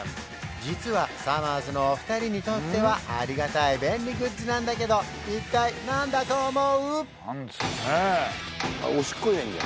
実はさまぁずのお二人にとってはありがたい便利グッズなんだけど一体何だと思う？